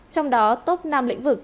trong đó tốt năm lĩnh vực